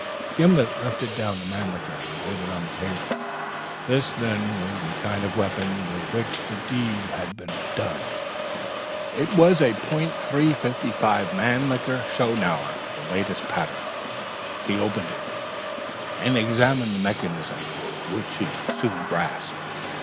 Gimblet lifted down the Mannlicher and laid it on the table. This, then, was the kind of weapon with which the deed had been done. It was a .355 Mannlicher Schonauer sporting weapon of the latest pattern. He opened it and examined the mechanism, which he soon grasped.